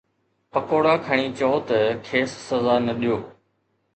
پڪوڙا کڻي چئو ته کيس سزا نه ڏيو